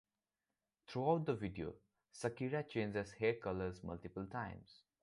Throughout the video Shakira changes hair colors multiple times.